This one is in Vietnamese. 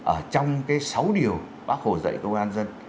ở trong cái sáu điều bác hồ dạy công an dân